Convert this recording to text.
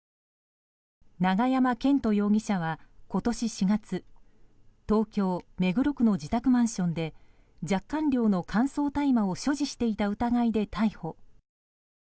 永山絢斗容疑者は今年４月東京・目黒区の自宅マンションで若干量の乾燥大麻を所持していた疑いで逮捕。